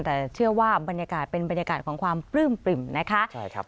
แต่เชื่อว่าบรรยากาศเป็นบรรยากาศของความปลื้มปริ่มนะคะใช่ครับ